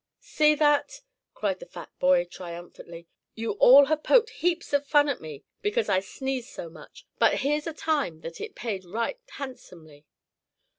"See that," cried the fat boy, triumphantly, "you all have poked heaps of fun at me because I sneeze so much; but here's a time that it paid right handsomely."